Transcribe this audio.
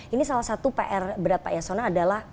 ini salah satu pr berat pak yasona adalah